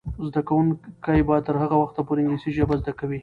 زده کوونکې به تر هغه وخته پورې انګلیسي ژبه زده کوي.